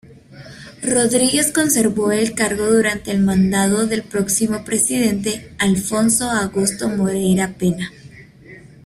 Rodrigues conservó el cargo durante el mandado del próximo presidente, Afonso Augusto Moreira Pena.